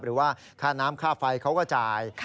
หรือว่าค่าน้ำค่าไฟเขาก็จ่าย